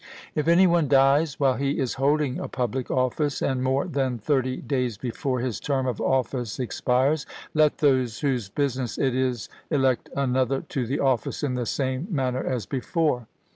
If any one dies while he is holding a public office, and more than thirty days before his term of office expires, let those whose business it is elect another to the office in the same manner as before.